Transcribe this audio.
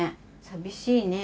寂しいね。